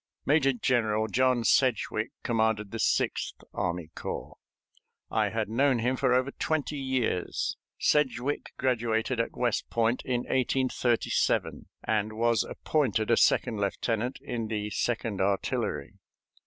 Major General John Sedgwick commanded the Sixth Army Corps. I had known him for over twenty years. Sedgwick graduated at West Point in 1837, and was appointed a second lieutenant in the Second Artillery.